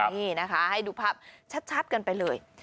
นี่นะคะให้ดูภาพชัดกันไปเลย